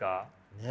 ねえ。